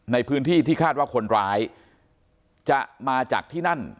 ในพื้นที่ที่คาดว่าคนร้ายจะมาจากที่นั่น